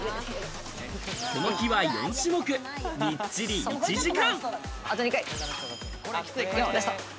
この日は４種目、びっちり１時間。